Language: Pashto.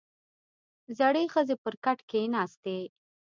• زړې ښځې پر کټ کښېناستې.